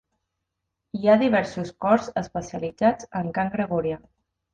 Hi ha diversos cors especialitzats en cant gregorià.